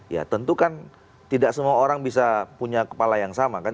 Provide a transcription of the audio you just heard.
ya tentu kan tidak semua orang bisa punya kepala yang sama kan